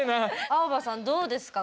アオバさんどうですか？